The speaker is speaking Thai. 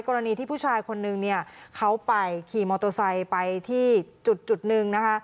กรณีที่ผู้ชายคนนึงเนี่ยเขาไปขี่มอเตอร์ไซค์ไปที่จุดหนึ่งนะคะ